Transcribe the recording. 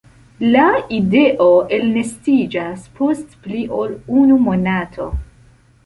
La ido elnestiĝas post pli ol unu monato.